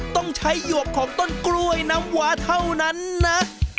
ต้องใช้หยวกของต้นกล้วยน้ำวาเท่านั้นนะ